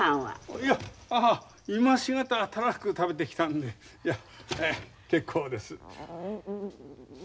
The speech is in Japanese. いや今し方たらふく食べてきたのでいや結構です。